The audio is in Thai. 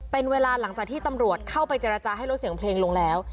เป็นเวลาหลังจากที่ตำรวจเข้าไปเจรจาให้ลดเสียงเพลงลงแล้ว